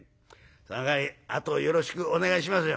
そのかわりあとよろしくお願いしますよ」。